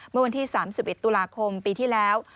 เมื่อวันที่๓๑ตุลาคมปีที่แล้ว